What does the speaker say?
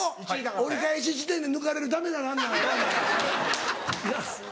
折り返し地点で抜かれるダメなランナーやろ？